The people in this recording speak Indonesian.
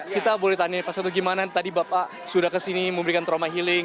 kita boleh tanya pak seto gimana tadi bapak sudah ke sini memberikan trauma healing